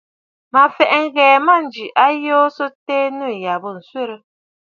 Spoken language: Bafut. Mə fɛ̀ʼɛ nyə mânjì a yoo so tɛɛ, nû yâ ɨ bû ǹswerə!